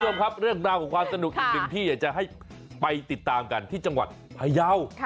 คุณผู้ชมครับเรื่องราวของความสนุกอีกหนึ่งที่อยากจะให้ไปติดตามกันที่จังหวัดพยาว